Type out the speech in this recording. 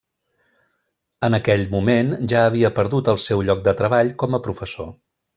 En aquell moment ja havia perdut el seu lloc de treball com a professor.